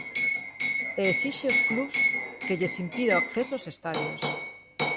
E esixe aos clubs que lles impida o acceso aos estadios.